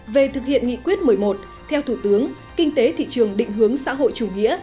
về thực hiện nghị quyết một mươi một theo thủ tướng kinh tế thị trường định hướng xã hội chủ nghĩa